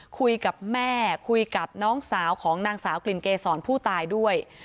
คุยกับแม่คุยกับน้องสาวของนางสาวกลิ่นเกษรผู้ตายด้วย